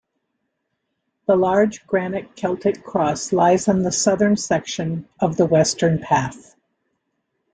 The large granite Celtic cross lies on the southern section of the western path.